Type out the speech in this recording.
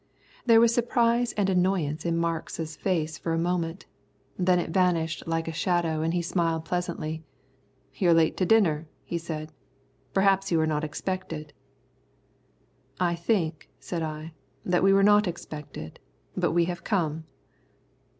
There was surprise and annoyance in Marks's face for a moment. Then it vanished like a shadow and he smiled pleasantly. "You're late to dinner," he said; "perhaps you were not expected." "I think," said I, "that we were not expected, but we have come."